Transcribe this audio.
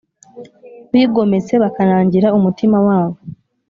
bigometse bakanangira umutima wabo